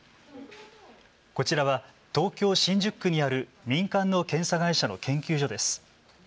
こちらは東京・新宿区にある民間の検査会社の研究所です。